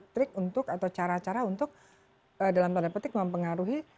trik untuk atau cara cara untuk dalam tanda petik mempengaruhi